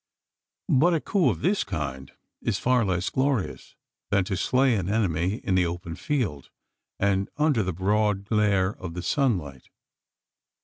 But a coup of this kind is far less glorious, than to slay an enemy, in the open field, and under the broad glare of the sunlight.